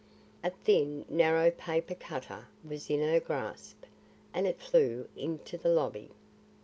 A thin, narrow paper cutter was in her grasp; and it flew into the lobby.